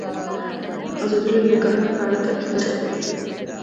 ازادي راډیو د کرهنه په اړه تاریخي تمثیلونه وړاندې کړي.